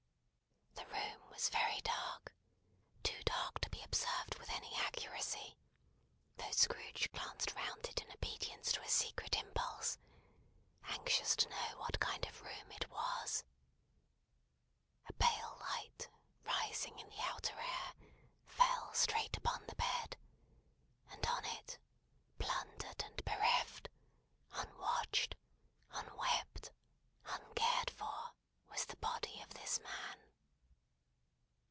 The room was very dark, too dark to be observed with any accuracy, though Scrooge glanced round it in obedience to a secret impulse, anxious to know what kind of room it was. A pale light, rising in the outer air, fell straight upon the bed; and on it, plundered and bereft, unwatched, unwept, uncared for, was the body of this man.